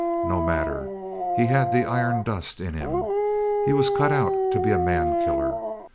No matter. He had the iron dust in him. He was cut out to be a man killer.